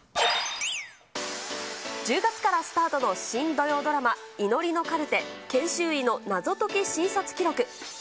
１０月からスタートの新土曜ドラマ、祈りのカルテ・研修医の謎解き診察記録。